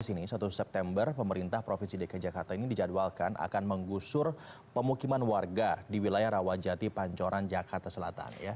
dua ribu satu september pemerintah provinsi dki jakarta ini dijadwalkan akan menggusur pemukiman warga di wilayah rawajati pancoran jakarta selatan